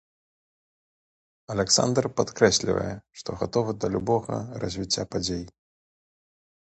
Аляксандр падкрэслівае, што гатовы да любога развіцця падзей.